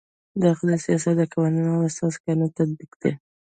داخلي سیاست د قوانینو او اساسي قانون تطبیق دی.